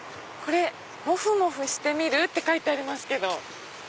「もふもふしてみる？」って書いてありますけど。